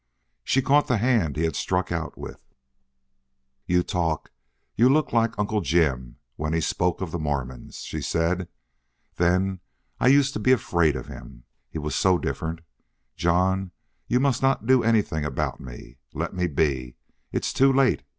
She caught the hand he had struck out with. "You talk you look like Uncle Jim when he spoke of the Mormons," she said. "Then I used to be afraid of him. He was so different. John, you must not do anything about me. Let me be. It's too late.